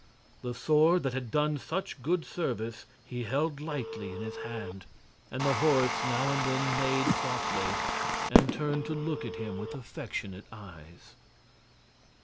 The sword that had done such good service he held lightly in his hand, and the horse now and then neighed softly and turned to look at him with affectionate eyes.